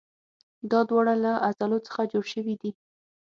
دا دواړه له عضلو څخه جوړ شوي دي.